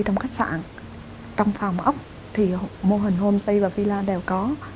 trong khách sạn trong phòng ốc thì mô hình homestay và villa đều có